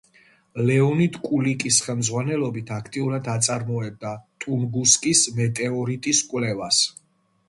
ლეონიდ კულიკის ხელმძღვანელობით აქტიურად აწარმოებდა ტუნგუსკის მეტეორიტის კვლევას.